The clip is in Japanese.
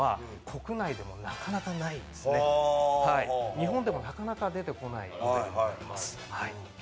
日本でもなかなか出てこないと思います。